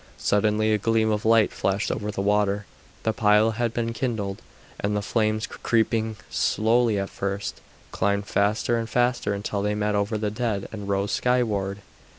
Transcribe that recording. Suddenly a gleam of light flashed over the water; the pile had been kindled, and the flames, creeping slowly at first, climbed faster and faster until they met over the dead and rose skyward.